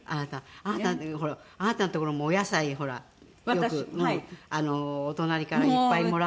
あなたほらあなたの所もお野菜ほらよくお隣からいっぱいもらって。